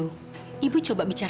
terima kasih banyak